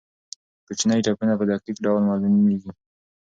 کوچني ټپونه په دقیق ډول معلومېږي.